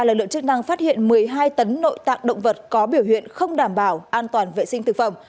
lực lượng chức năng phát hiện một mươi hai tấn nội tạng động vật có biểu hiện không đảm bảo an toàn vệ sinh thực phẩm